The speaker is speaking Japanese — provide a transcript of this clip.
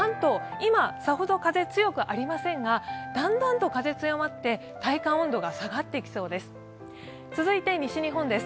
今さほど風強くありませんが、だんだんと風、強まって、体感温度が下がっていきそうです。